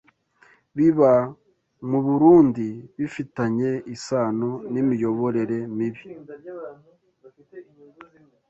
biba mu Burundi bifitanye isano n’imiyoborere mibi